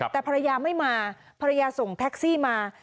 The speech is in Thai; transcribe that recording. แต่ภรรยาไม่มาภรรยาส่งแท็กซี่มา